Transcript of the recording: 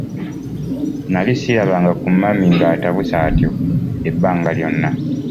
Nnali ssirabanga ku mami ng'atabuse atyo ebbanga lyonna.